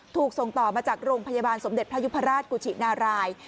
ถูกส่งต่อมาจากโรงพยาบาลสมเด็จพระยุพราชกุชินาราย